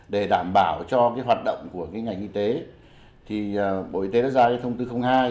để đảm bảo cho hoạt động của ngành y tế bộ y tế đã ra thông tư hai